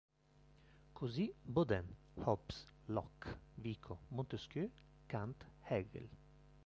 Così Bodin, Hobbes, Locke, Vico, Montesquieu, Kant, Hegel".